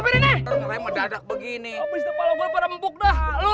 kanan boleh saja banyak pohon roberi